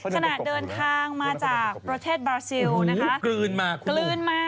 ขนาดเดินทางมาจากประเทศบราซิลนะคะ